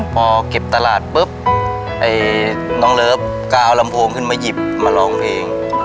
พอเก็บตลาดปุ๊บไอ้น้องเลิฟกาวลำโพงขึ้นมาหยิบมาร้องเพลง